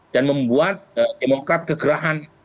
dan membuat demokrat kegerahan